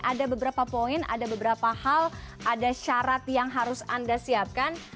ada beberapa poin ada beberapa hal ada syarat yang harus anda siapkan